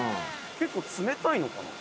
結構冷たいのかな？